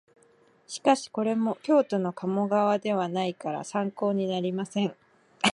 しかしこれも京都の鴨川ではないから参考になりません